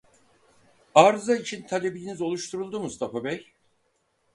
Arıza için talebiniz oluşturuldu Mustafa bey.